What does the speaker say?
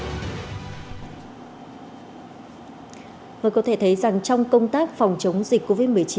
mọi người có thể thấy rằng trong công tác phòng chống dịch covid một mươi chín